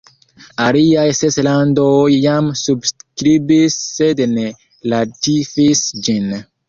Aliaj ses landoj jam subskribis sed ne ratifis ĝin.